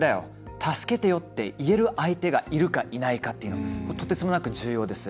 助けてよって言える相手がいるかいないかっていうのはとてつもなく重要です。